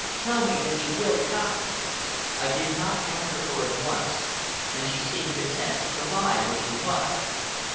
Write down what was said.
Tell me that you will come." I did not answer her at once, and she seemed content to lie where she was.